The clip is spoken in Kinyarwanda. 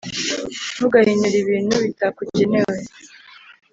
Ntugahinyure ibintu bitakugenewe,